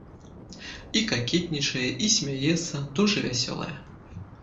І какетнічае, і смяецца, дужа вясёлая.